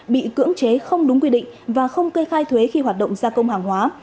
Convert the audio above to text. bị cưỡng chế không đúng quy định và không kê khai thuế khi hoạt động gia công hàng hóa